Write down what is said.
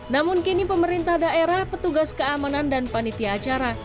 namun kini pemerintah daerah petugas keamanan dan panitia acara